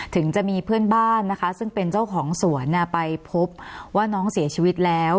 ถึงจะมีเพื่อนบ้านนะคะซึ่งเป็นเจ้าของสวนไปพบว่าน้องเสียชีวิตแล้ว